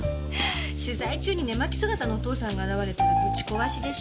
取材中に寝巻き姿のお父さんが現れたらぶち壊しでしょ？